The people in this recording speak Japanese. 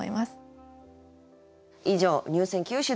以上入選九首でした。